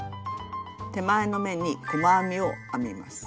手前の目に細編みを編みます。